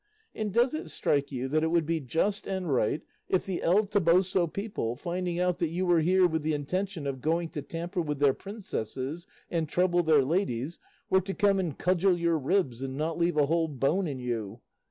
And does it strike you that it would be just and right if the El Toboso people, finding out that you were here with the intention of going to tamper with their princesses and trouble their ladies, were to come and cudgel your ribs, and not leave a whole bone in you?